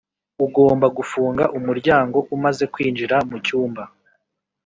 ugomba gufunga umuryango umaze kwinjira mucyumba.